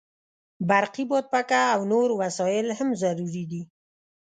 برقي بادپکه او نور وسایل هم ضروري دي.